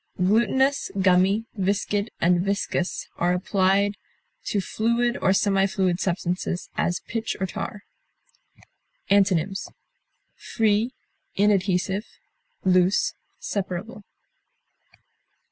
Glutinous, gummy, viscid, and viscous are applied to fluid or semi fluid substances, as pitch or tar. Antonyms: free, inadhesive, loose, separable.